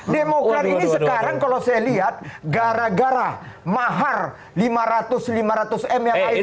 demokrat ini sekarang kalau saya lihat gara gara mahar lima ratus lima ratus m yang ada itu